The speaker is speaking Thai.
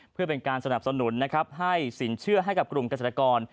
เพื่อเป็นการสนับสนุนนะครับให้สินเชื่อให้กับกลุ่มเกษตรกร